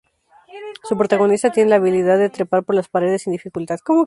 Su protagonista tiene la habilidad de trepar por las paredes sin dificultad.